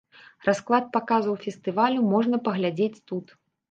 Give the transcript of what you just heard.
Расклад паказаў фестывалю можна паглядзець тут.